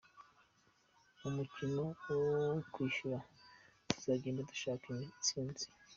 Mu mukino wo kwishyura tuzagenda dushaka intsinzi.